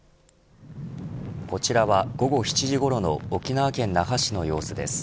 こちらは午後７時ごろの沖縄県那覇市の様子です。